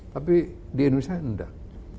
tapi di indonesia tidak